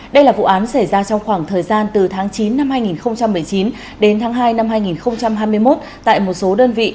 đây là vụ án xảy ra trong khoảng thời gian từ tháng chín năm hai nghìn một mươi chín đến tháng hai năm hai nghìn hai mươi một tại một số đơn vị